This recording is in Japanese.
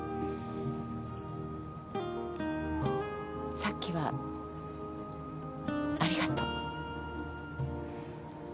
さっきはありがとう。